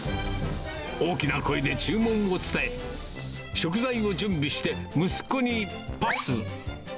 大きな声で注文を伝え、食材を準備して、息子にパス。